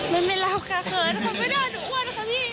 ไม่ไม่เล่าค่ะเขินไม่ได้หนูอ้วนค่ะพี่